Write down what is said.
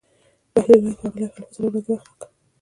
بهلول وویل: ښاغلی خلیفه څلور ورځې وخت راکړه.